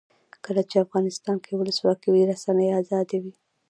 کله چې افغانستان کې ولسواکي وي رسنۍ آزادې وي.